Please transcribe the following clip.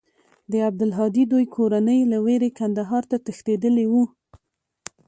د عبدالهادي دوى کورنۍ له وېرې کندهار ته تښتېدلې وه.